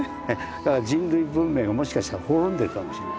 だから人類文明がもしかしたら滅んでるかもしれない。